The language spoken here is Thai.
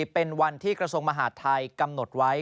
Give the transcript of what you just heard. เป็นวันที่กระทรวงมหาดไทยกำหนดไว้